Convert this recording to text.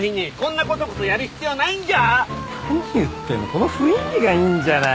この雰囲気がいいんじゃない。